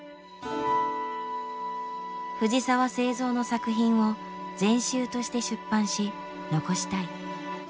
藤澤造の作品を全集として出版し残したい。